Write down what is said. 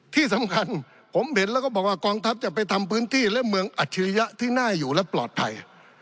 ที่สำคัญผมเห็นแล้วก็บอกว่ากองทัพจะไปทำพื้นที่และเมืองอัจฉริยะที่น่าอยู่และปลอดภัย